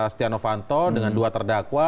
stiano fanto dengan dua terdakwa